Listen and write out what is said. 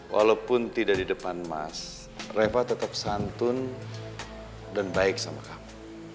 walaupun tidak di depan mas reva tetap santun dan baik sama kamu